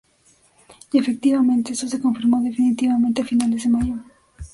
Y efectivamente esto se confirmó definitivamente a finales de Mayo.